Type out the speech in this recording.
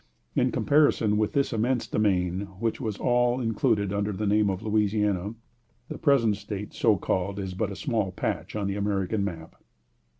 In comparison with this immense domain, which was all included under the name of Louisiana, the present State so called is but a small patch on the American map.